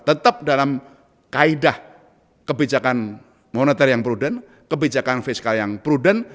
tetap dalam kaedah kebijakan moneter yang prudent kebijakan fiskal yang prudent